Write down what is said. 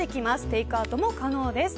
テイクアウトも可能です。